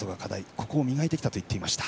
ここを磨いてきたといっていました。